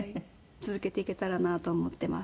続けていけたらなと思っています。